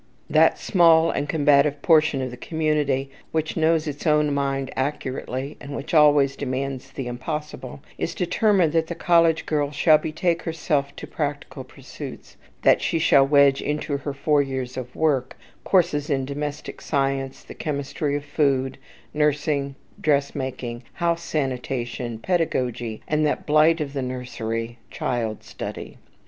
That small and combative portion of the community which knows its own mind accurately, and which always demands the impossible, is determined that the college girl shall betake herself to practical pursuits, that she shall wedge into her four years of work, courses in domestic science, the chemistry of food, nursing, dressmaking, house sanitation, pedagogy, and that blight of the nursery, child study.